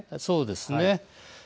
そうですね。